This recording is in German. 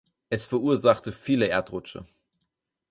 Es verursachte viele Erdrutsche.